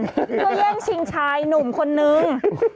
เพื่อแย่งชิงชายหนุ่มคนนึง